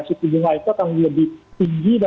suku bunga itu akan lebih tinggi